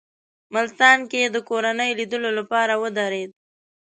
ملتان کې یې د کورنۍ لیدلو لپاره ودرېد.